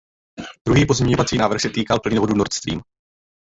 Druhý pozměňovací návrh se týkal plynovodu Nord Stream.